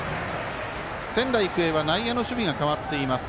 仙台育英は内野の守備が代わっています。